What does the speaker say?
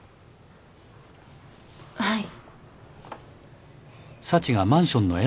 はい。